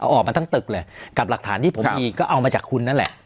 เอาออกมาทั้งตึกเลยกับหลักฐานที่ผมมีก็เอามาจากคุณนั่นแหละ